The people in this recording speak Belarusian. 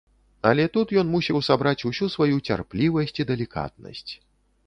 Але тут ён мусіў сабраць усю сваю цярплівасць і далікатнасць.